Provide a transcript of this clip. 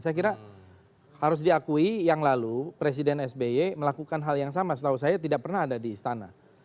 saya kira harus diakui yang lalu presiden sby melakukan hal yang sama setahu saya tidak pernah ada di istana